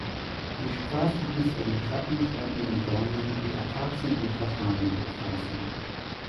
Die Straßen ließ er mit Schatten spendenden Bäumen wie Akazien und Platanen bepflanzen.